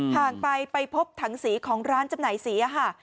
ห่างไปไปพบถังสีของร้านจำหน่ายสีค่ะ